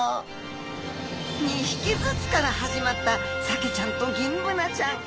２匹ずつから始まったサケちゃんとギンブナちゃん。